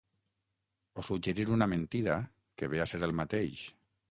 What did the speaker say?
O suggerir una mentida, que ve a ser el mateix.